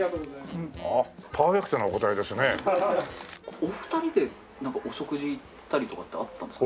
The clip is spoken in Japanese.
お二人でお食事行ったりとかってあったんですか？